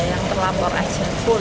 yang terlapor aja